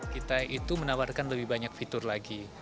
kita itu menawarkan lebih banyak fitur lagi